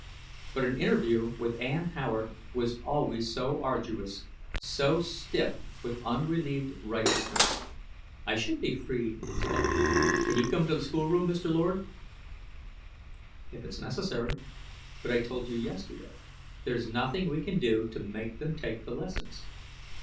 But an interview with Ann Howard was always so arduous, so stiff with unrelieved righteousness. "I should be free until " "Can you come down to the schoolroom, Mr. Lord?" "If it's necessary. But I told you yesterday, there's nothing we can do to make them take the lessons."